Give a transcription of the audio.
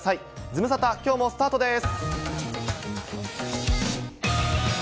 ズムサタ、きょうもスタートです。